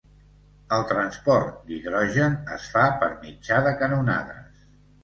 El transport d'hidrogen es fa per mitjà de canonades.